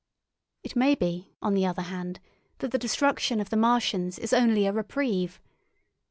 It may be, on the other hand, that the destruction of the Martians is only a reprieve.